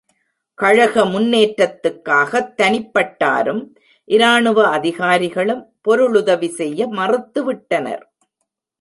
கழக முன்னேற்றத்துக்காகத் தனிப்பட்டாரும், இராணுவ அதிகாரிகளும், பொருளுதவி செய்ய மறுத்துவிட்டனர்.